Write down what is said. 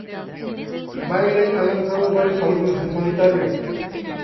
Bailey ha lanzado varios álbumes en solitario.